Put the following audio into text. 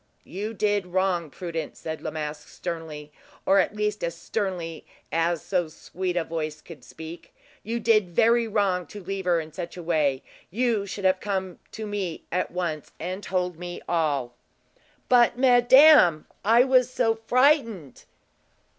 "You did wrong, Prudence," said La Masque, sternly, or at least as sternly as so sweet a voice could speak; "you did very wrong to leave her in such a way. You should have come to me at once, and told me all." "But, madame, I was so frightened!"